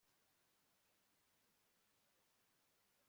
Mariya ntazemera ko Tom agira inzira